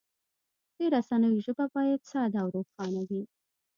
د رسنیو ژبه باید ساده او روښانه وي.